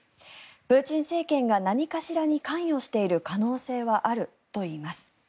プーチン政権が何かしらに関与している可能性はあるといいます。